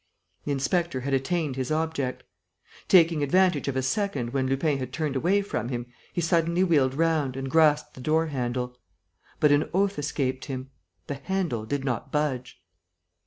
The inspector had attained his object. Taking advantage of a second when Lupin had turned away from him, he suddenly wheeled round and grasped the door handle. But an oath escaped him: the handle did not budge.